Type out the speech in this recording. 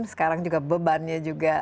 sekarang juga bebannya juga